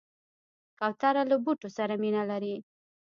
کوتره له بوټو سره مینه لري.